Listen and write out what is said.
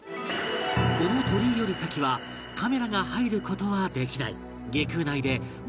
この鳥居より先はカメラが入る事はできない